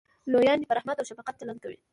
لویان دې په رحمت او شفقت چلند کوي.